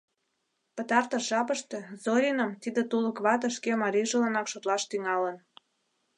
Пытартыш жапыште Зориным тиде тулык вате шке марийжыланак шотлаш тӱҥалын.